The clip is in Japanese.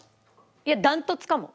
いや断トツかも。